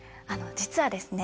実はですね